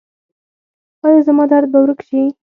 ایا زما درد به ورک شي؟